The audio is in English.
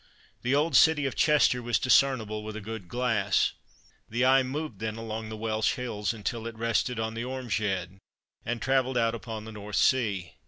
The old city of Chester was discernible with a good glass. The eye moved then along the Welsh hills until it rested on the Ormeshead and travelled out upon the North sea.